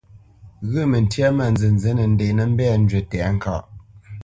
Ghyə̂ məntyâ mâ nzənzí nə nděnə mbɛ̂ njywí tɛ̌ŋkaʼ.